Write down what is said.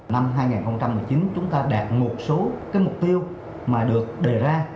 năm hai nghìn một mươi chín chúng ta đạt một số cái mục tiêu mà được đề ra